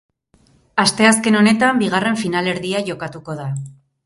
Asteazken honetan bigarren finalerdia jokatuko da.